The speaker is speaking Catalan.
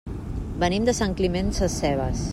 Venim de Sant Climent Sescebes.